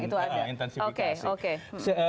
itu ada intensifikasi oke oke